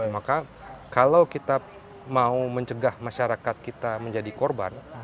maka kalau kita mau mencegah masyarakat kita menjadi korban